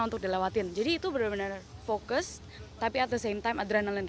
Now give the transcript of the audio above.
untuk dilewatin jadi itu benar benar fokus tapi at the same time adrenalin